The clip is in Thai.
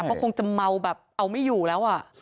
ก็คงจะเมาแบบเอาไม่อยู่แล้ว